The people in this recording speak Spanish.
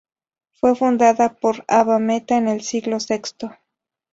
Fue fundada por Abba Meta en el siglo sexto.